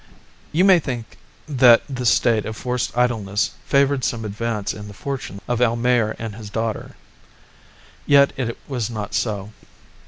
You may think that this state of forced idleness favoured some advance in the fortunes of Almayer and his daughter. Yet it was not so.